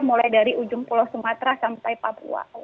mulai dari ujung pulau sumatera sampai papua